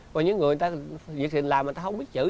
còn những người việc gì làm mà không biết chữ